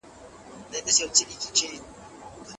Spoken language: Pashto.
حکومتونو تل د ټولنيزې هوساينې لپاره نوې لارې چارې لټولې.